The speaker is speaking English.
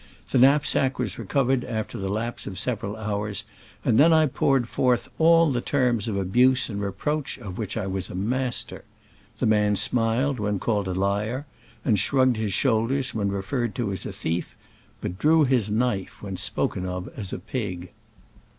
The knapsack was recovered after the lapse of several hours, and then I poured forth all the terms of abuse and re proach of which I was master. The man smiled when called a liar, and shrugged his shoulders when referred to as a thief, but drew his knife when spoken of as a pig.